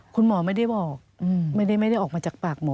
คุณหมอไม่ได้บอกไม่ได้ออกมาจากปากหมอ